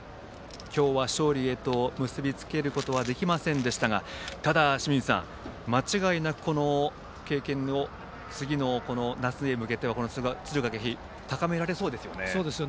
今日は勝利へと結びつけることはできませんでしたがただ清水さん、間違いなくこの経験を次の夏へ向けて敦賀気比は高められそうですよね。